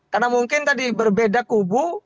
karena mungkin tadi berbeda kubu